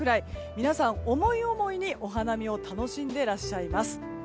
皆さん、思い思いにお花見を楽しんでいらっしゃいます。